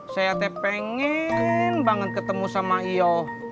saya pengen banget ketemu sama io